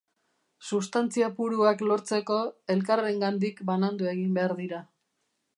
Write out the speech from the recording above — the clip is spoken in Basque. Substantzia puruak lortzeko, elkarrengandik banandu egin behar dira.